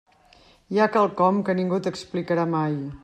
Hi ha quelcom que ningú t'explicarà mai.